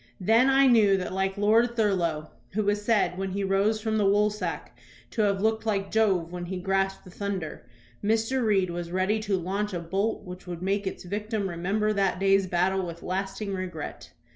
Then I knew that, like Lord Thurlow, who was said, when he rose from the woolsack, to have looked like Jove when he grasped the thunder, Mr. Reed was ready to launch a bolt which would make its victim remember that day's battle with lasting regret.